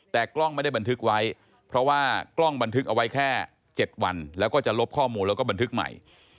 แต่กล้องไม่ได้บันทึกไว้เพราะว่ากล้องบันทึกเอาไว้แค่๗วันแล้วก็จะลบข้อมูลแล้วก็บันทึกใหม่